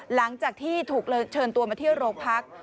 หลังจากที่ถูกเชิญตัวมาที่โรงพัก